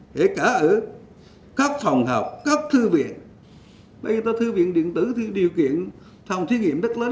thế cả ở các phòng học các thư viện bây giờ ta thư viện điện tử thì điều kiện phòng thiết nghiệm rất lớn